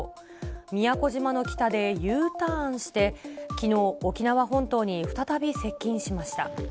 宮古島の北でＵターンして、きのう、沖縄本島に再び接近しました。